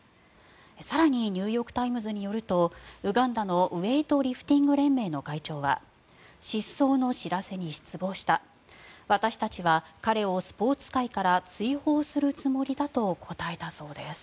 更にニューヨーク・タイムズによるとウガンダのウエイトリフティング連盟の会長は失踪の知らせに失望した私たちは彼をスポーツ界から追放するつもりだと答えたそうです。